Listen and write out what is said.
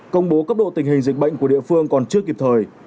công bố cấp độ tình hình dịch bệnh của địa phương còn chưa kịp thời